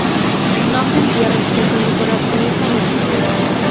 No sentía respeto ni por Artemisa ni por Hera.